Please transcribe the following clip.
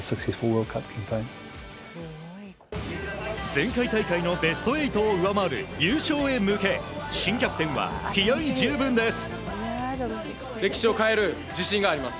前回大会のベスト８を上回る優勝へ向け新キャプテンは気合十分です。